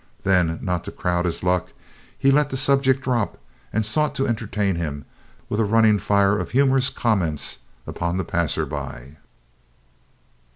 Then, not to crowd his luck, he let the subject drop and sought to entertain him with a running fire of humorous comments upon the passersby.